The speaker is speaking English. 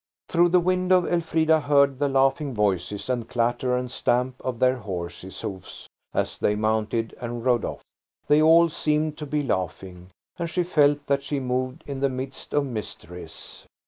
Through the window Elfrida heard the laughing voices and clatter and stamp of their horses' hoofs as they mounted and rode off. They all seemed to be laughing. And she felt that she moved in the midst of mysteries.